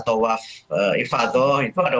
tawaf ifadah itu ada